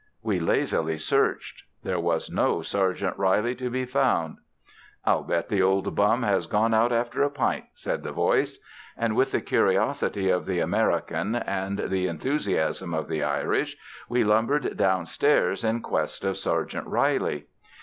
We lazily searched. There was no Sergeant Reilly to be found. "I'll bet the old bum has gone out after a pint," said the voice. And with the curiosity of the American and the enthusiasm of the Irish we lumbered downstairs in quest of Sergeant Reilly.